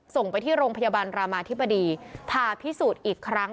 ส่งไปที่โรงพยาบาลรามาธิบดีผ่าพิสูจน์อีกครั้ง